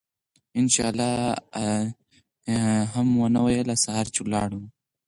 إن شاء الله ئي هم ونه ويله!! سهار چې لاړو نو